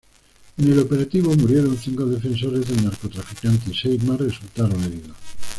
En el operativo murieron cinco defensores del narcotraficante y seis más resultaron heridos.